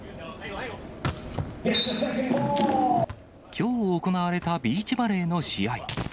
きょう、行われたビーチバレーの試合。